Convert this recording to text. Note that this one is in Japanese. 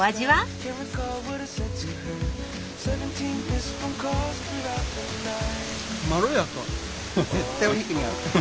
絶対お肉に合う。